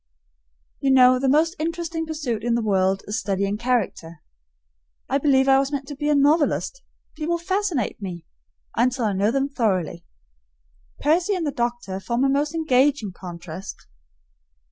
You know, the most interesting pursuit in the world is studying character. I believe I was meant to be a novelist; people fascinate me until I know them thoroughly. Percy and the doctor form a most engaging contrast.